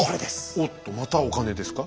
おっとまたお金ですか？